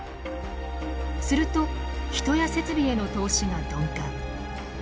すると人や設備への投資が鈍化。